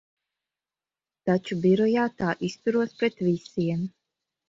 Taču birojā tā izturos pret visiem.